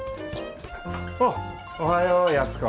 おうおはよう安子。